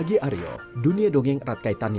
ketika dianggap sebagai terapi